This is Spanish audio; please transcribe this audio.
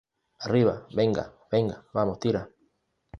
¡ arriba, venga, venga! ¡ vamos, tira!